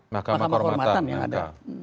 mahkamah kehormatan yang ada